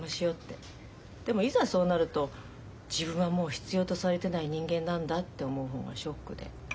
でもいざそうなると自分はもう必要とされてない人間なんだって思う方がショックで。